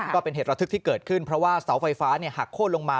ก็เป็นเหตุระทึกที่เกิดขึ้นเพราะว่าเสาไฟฟ้าหักโค้นลงมา